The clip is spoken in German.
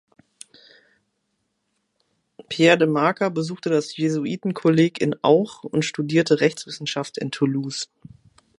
Pierre de Marca besuchte das Jesuitenkolleg in Auch und studierte Rechtswissenschaft in Toulouse.